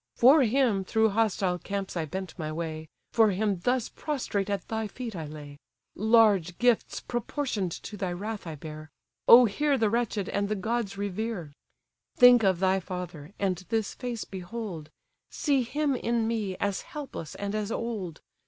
"For him through hostile camps I bent my way, For him thus prostrate at thy feet I lay; Large gifts proportion'd to thy wrath I bear; O hear the wretched, and the gods revere! "Think of thy father, and this face behold! See him in me, as helpless and as old!